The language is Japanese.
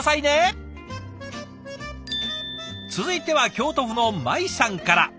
続いては京都府のマイさんから。